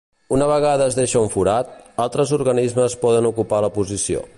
Una vegada es deixa un forat, altres organismes poden ocupar la posició.